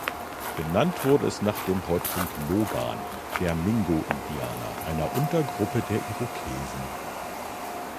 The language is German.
Benannt wurde es nach dem Häuptling Logan der Mingo-Indianer, einer Untergruppe der Irokesen.